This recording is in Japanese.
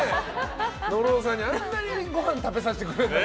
野呂さんにあんなにごはんを食べさせてくれて。